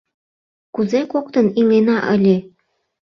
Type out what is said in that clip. Кузе коктын илена ыле!